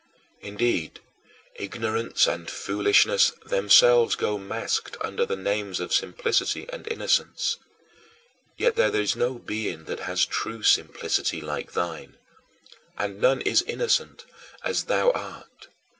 Indeed, ignorance and foolishness themselves go masked under the names of simplicity and innocence; yet there is no being that has true simplicity like thine, and none is innocent as thou art.